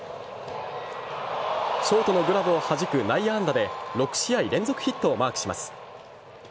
ショートのグラブをはじく内野安打で６試合連続ヒットをマークします。